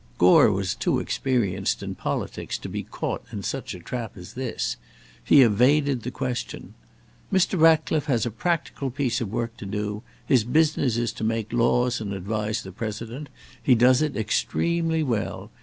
Gore was too experienced in politics to be caught in such a trap as this. He evaded the question. "Mr. Ratcliffe has a practical piece of work to do; his business is to make laws and advise the President; he does it extremely well.